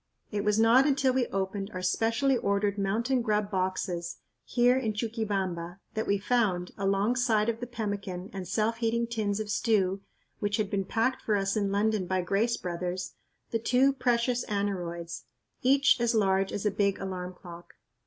It was not until we opened our specially ordered "mountain grub" boxes here in Chuquibamba that we found, alongside of the pemmican and self heating tins of stew which had been packed for us in London by Grace Brothers, the two precious aneroids, each as large as a big alarm clock.